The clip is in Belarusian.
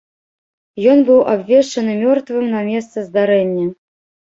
Ён быў абвешчаны мёртвым на месцы здарэння.